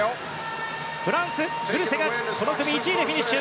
フランス、グルセがこの組１位でフィニッシュ。